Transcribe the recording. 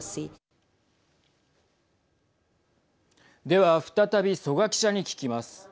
では、再び曽我記者に聞きます。